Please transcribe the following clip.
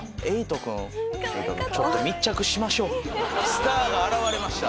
スターが現れました。